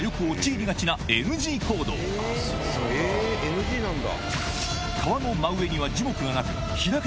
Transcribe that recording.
ＮＧなんだ！